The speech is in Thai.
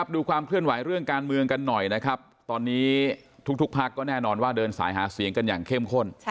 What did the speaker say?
ดูความเคลื่อนไหวเรื่องการเมืองกันหน่อยนะครับตอนนี้ทุกพักก็แน่นอนว่าเดินสายหาเสียงกันอย่างเข้มข้น